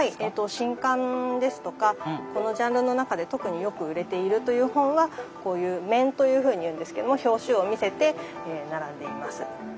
新刊ですとかこのジャンルの中で特によく売れているという本はこういう面というふうに言うんですが表紙を見せて並んでいます。